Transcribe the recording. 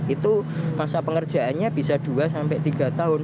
itu masa pengerjaannya bisa dua sampai tiga tahun